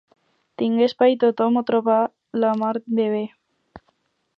Tingué espai i tothom ho trobà la mar de bé.